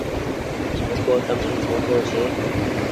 جيڪو تم سون موٽو ڇي ۔